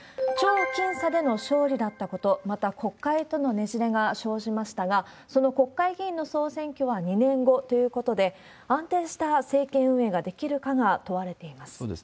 超僅差での勝利だったこと、また、国会とのねじれが生じましたが、その国会議員の総選挙は２年後ということで、安定した政権運営ができるかが問われています。